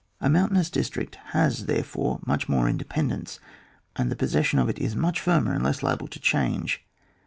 A mountainous district has therefore much more independence, and the pos session of it is much firmer and less liable to change.